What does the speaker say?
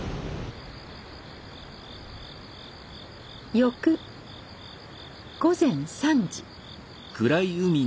翌午前３時。